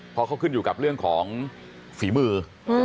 เพราะเขาขึ้นอยู่กับเรื่องของฝีมือ